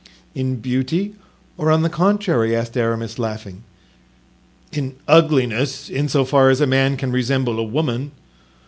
"In beauty or on the contrary?" asked Aramis, laughing. "In ugliness, in so far as a man can resemble a woman."